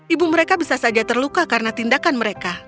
ibu mereka bisa saja terluka karena tindakan mereka